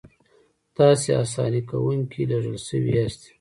تاسې اساني کوونکي لېږل شوي یاستئ.